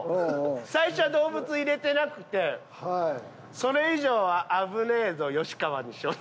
最初は動物入れてなくて「それ以上は危ねぇぞ吉川」にしようと思って。